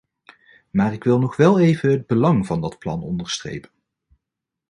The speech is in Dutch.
Maar ik wil nog wel even het belang van dat plan onderstrepen.